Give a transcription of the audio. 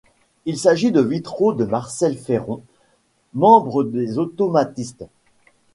Il s'agit de vitraux de Marcelle Ferron, membre des Automatistes.